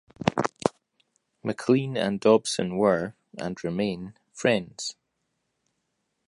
Maclean and Dobson were, and remain, friends.